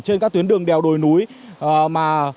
trên các tuyến đường đèo đồi núi mà